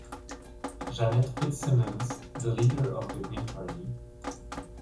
Jeanette Fitzsimons, the leader of the Green party.